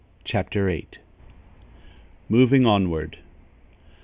CHAPTER VIII. MOVING ONWARD.